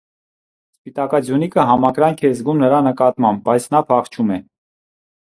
Սպիտակաձյունիկը համակրանք է զգում նրա նկատմամբ, բայց նա փախչում է։